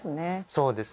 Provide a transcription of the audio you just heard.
そうですね。